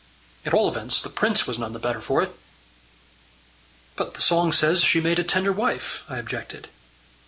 At all events the prince was none the better for it." "But the song says she made a tender wife," I objected.